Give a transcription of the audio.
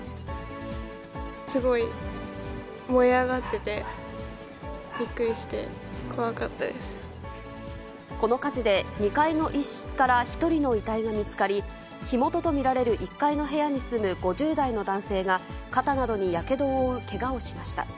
すごい燃え上がってて、この火事で、２階の一室から１人の遺体が見つかり、火元と見られる１階の部屋に住む５０代の男性が肩などにやけどを負うけがをしました。